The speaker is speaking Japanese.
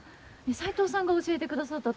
齋藤さんが教えてくださったと。